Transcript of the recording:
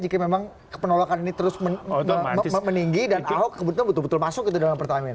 jika memang penolakan ini terus meninggi dan ahok kebetulan betul betul masuk ke dalam pertamina